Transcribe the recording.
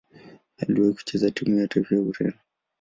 Aliwahi kucheza timu ya taifa ya Ureno.